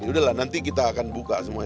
udah lah nanti kita akan buka semuanya